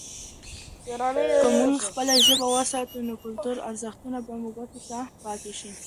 که موږ خپله ژبه وساتو، نو کلتوري ارزښتونه به ګوته ته پاتې سي.